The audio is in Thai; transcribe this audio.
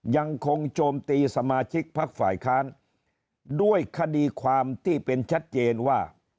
โจมตีสมาชิกพักฝ่ายค้านด้วยคดีความที่เป็นชัดเจนว่า